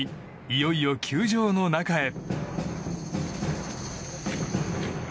いよいよ球場の中へ。